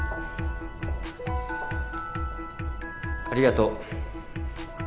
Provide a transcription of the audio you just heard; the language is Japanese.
ありがとう。